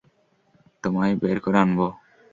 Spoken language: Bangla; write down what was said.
তোমায় বের করে আনব।